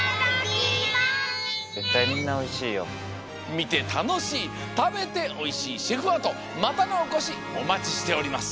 みてたのしいたべておいしいシェフアートまたのおこしおまちしております。